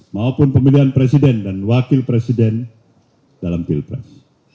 maupun pemilihan presiden dan wakil presiden dalam pilpres